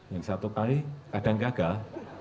yang satu kali kadang gagal